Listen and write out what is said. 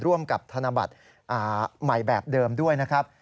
ร่วมกับธนบัตรใหม่แบบเดิมด้วยนะครับ